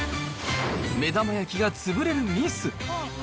目玉焼きが潰れるミス。